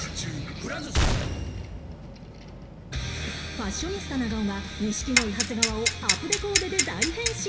ファッショニスタ長尾が錦鯉長谷川をアプデコーデで大変身！